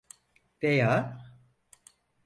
Veya…